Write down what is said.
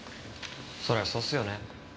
そりゃそうっすよね。